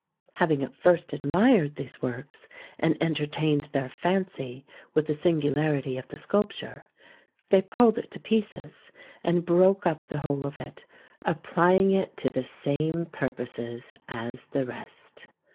Having at first admired these works, and enter tained their fancy with the singularity of the sculp ture, they pulled it to pieces, and broke up the whole of it, applying it to the same purposes as the rest.